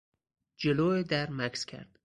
جلو در مکث کرد.